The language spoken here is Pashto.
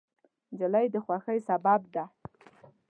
نجلۍ د خوښۍ سبب ده.